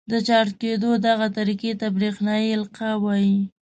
د چارج کېدو دغې طریقې ته برېښنايي القاء وايي.